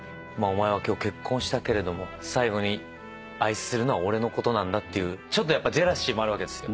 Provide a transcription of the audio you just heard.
お前は今日結婚したけれども最後に愛するのは俺のことなんだっていうちょっとやっぱジェラシーもあるわけですよ。